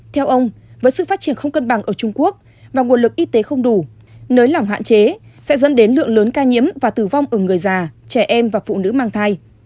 theo ông với sự phát triển không cân bằng ở trung quốc và nguồn lực y tế không đủ nới lỏng hạn chế sẽ dẫn đến lượng lớn ca nhiễm và tử vong ở người già trẻ em và phụ nữ mang thai